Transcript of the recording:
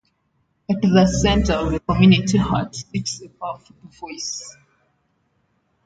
At the center of a community heart sits a powerful voice.